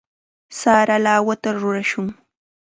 Sara lawata rurashun.